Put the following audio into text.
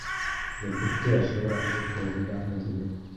Nigute ashobora kuvuga vuba mbwira